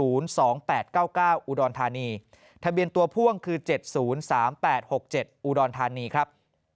อุดรธานีทะเบียนตัวพ่วงคือ๗๐๓๘๖๗อุดรธานีครับ